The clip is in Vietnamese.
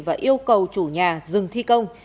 và yêu cầu chủ nhà dừng thi công